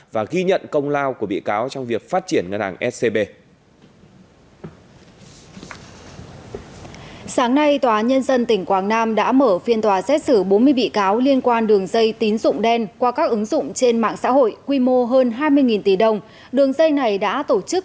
và ghi nhận công lao của bị cáo trong việc phát triển ngân hàng scb